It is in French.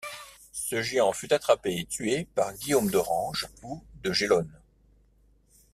Ce géant fut attrapé et tué par Guillaume d'Orange ou de Gellone.